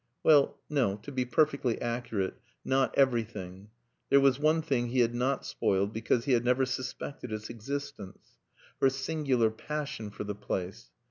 Well, no, to be perfectly accurate, not everything. There was one thing he had not spoiled, because he had never suspected its existence her singular passion for the place.